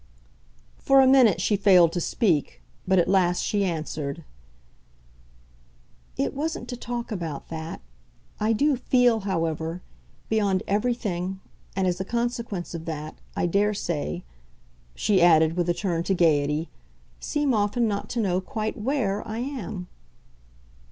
For a minute she failed to speak, but at last she answered: "It wasn't to talk about that. I do FEEL, however, beyond everything and as a consequence of that, I dare say," she added with a turn to gaiety, "seem often not to know quite WHERE I am."